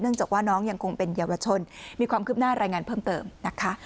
จากว่าน้องยังคงเป็นเยาวชนมีความคืบหน้ารายงานเพิ่มเติมนะคะ